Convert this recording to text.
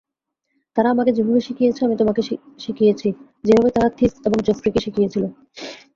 তারা আমাকে যেভাবে শিখিয়েছে আমি তোমাকে শিখিয়েছি, যেভাবে তারা থিস এবং জফরিকে শিখিয়েছিল।